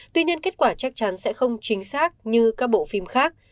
tuy nhiên kết quả chắc chắn sẽ không chính xác như các bộ phim khác